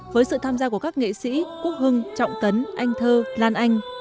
với sự tham gia của các nghệ sĩ quốc hưng trọng tấn anh thơ lan anh